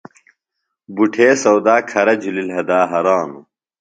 بُٹھے سودا کھرہ جُھلیۡ لھدا ہرانوۡ۔